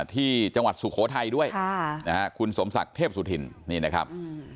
ที่จังหวัดสุโขทัยด้วยคุณสมศักดิ์เทพสุธินนี่นะครับ